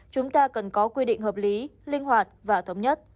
chúng ta cần có quy định hợp lý linh hoạt và thống nhất